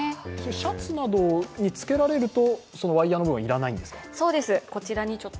シャツなどにつけられると、ワイヤーの部分は要らないんですか？